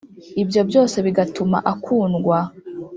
ibyo byose bigatuma akundwa